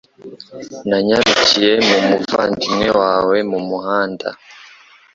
Nanyarukiye mu muvandimwe wawe mu muhanda.